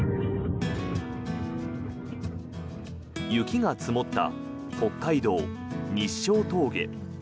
雪が積もった北海道・日勝峠。